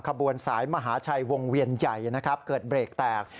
ขบวนสายมหาชัยวงเวียนใหญ่นะครับเกิดเบรกแตก